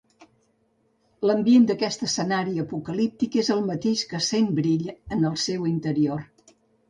L'ambient d'aquest escenari apocalíptic és el mateix que sent Brill en el seu interior.